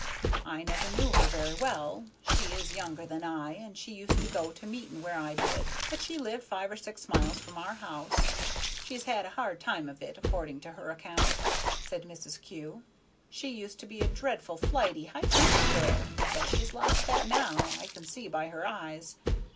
"I never knew her very well; she is younger than I, and she used to go to meeting where I did, but she lived five or six miles from our house. She's had a hard time of it, according to her account," said Mrs. Kew. "She used to be a dreadful flighty, high tempered girl, but she's lost that now, I can see by her eyes.